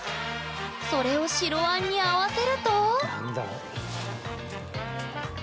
それを白あんに合わせると何だ？